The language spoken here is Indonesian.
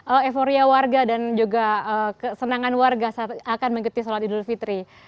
euforia warga dan juga kesenangan warga saat akan mengikuti sholat idul fitri